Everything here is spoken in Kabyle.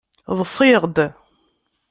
Ḍṣiɣ-d.